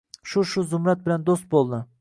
Shu-shu, Zumrad bilan do‘st bo‘ldi.